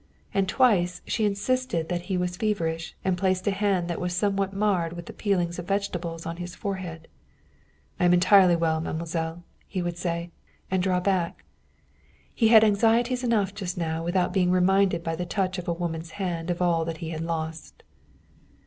And twice she insisted that he was feverish, and placed a hand that was somewhat marred with much peeling of vegetables, on his forehead. "I am entirely well, mademoiselle," he would say, and draw back. He had anxieties enough just now without being reminded by the touch of a woman's hand of all that he had lost.